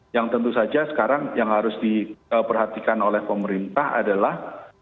yang tentu saja sekarang yang harus diperhatikan oleh pemerintah adalah